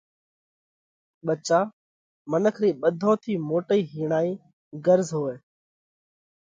ٻچا، منک رئِي ٻڌون ٿِي موٽئِي هِيڻائِي غرض هوئه۔